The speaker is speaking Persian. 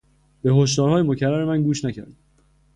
به هشدارهای مکرر من گوش نکرد.